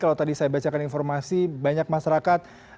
kalau tadi saya bacakan informasi banyak masyarakat